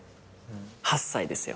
８歳ですよ。